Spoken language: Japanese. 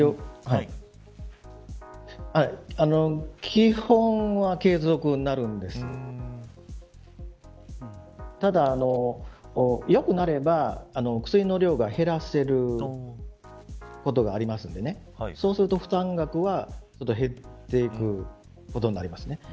基本は継続になるんですがただ、良くなれば薬の量が減らせることがありますのでそうすると負担額は減っていくことになりますね。